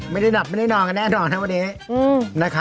ไม่ได้หลับไม่ได้นอนกันแน่นอนนะวันนี้